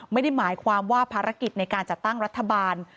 ไม่ได้หมายความว่าภารกิจในการจัดตั้งรัฐบาล